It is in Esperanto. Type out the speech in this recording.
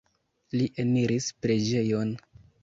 Li eniris preĝejon.